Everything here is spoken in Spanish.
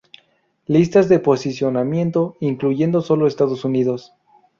Listas de posicionamiento incluyendo solo Estados Unidos.